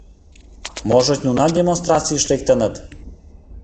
Можыч, нунат демонстрацийыш лектыныт.